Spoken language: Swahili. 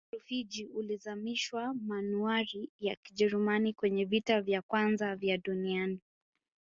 mto rufiji ulizamishwa manuari ya kijerumani kwenye vita vya kwanza vya duniani